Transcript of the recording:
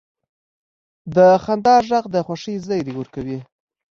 د خندا ږغ د خوښۍ زیری ورکوي.